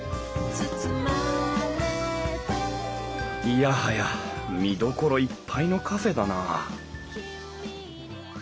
いやはや見どころいっぱいのカフェだなあ